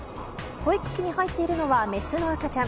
保育器に入っているのはメスの赤ちゃん。